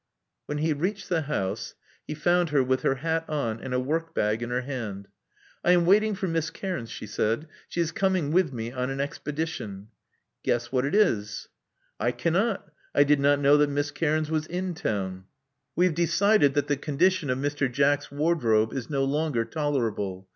When he reached the house he found her with her hat on and a workbag in her hand. I am waiting for Miss Cairns," she said. She is coming with me on an expedition. Guess what it is. " I cannot. I did not know that Miss Cairns was in town." Love Among the Artists 211 •*We have decided that the condition of Mr. Jack's wardrobe is no longer tolerable.